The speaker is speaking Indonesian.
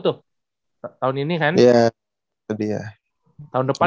tahun depan kita mungkin